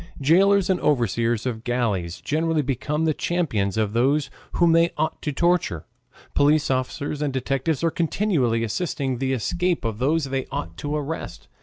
Jailers and overseers of galleys generally become the champions of those whom they ought to torture. Police officers and detectives are continually assisting the escape of those they ought to arrest.